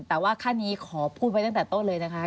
แต่ว่าขั้นนี้ขอพูดไว้ตั้งแต่ต้นเลยนะคะ